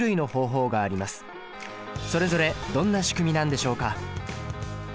それぞれどんな仕組みなんでしょうか。